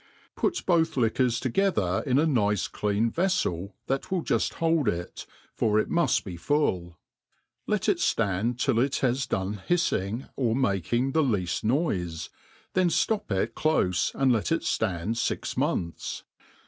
Put both li4}uors together in a nic9 clean veflel that will juft bold it, for it muft be full ; ht it ftand till it has d5ne hii&ng, or making the leaft noife, then ftop it clofe and let it ftand fix months.